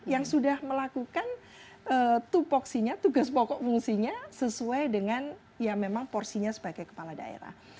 yang sudah melakukan tugas pokok fungsinya sesuai dengan ya memang porsinya sebagai kepala daerah